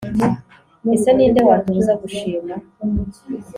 ese ninde watubuza gushima